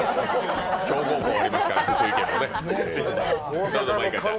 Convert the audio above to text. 強豪校がありますからね、福井県はね。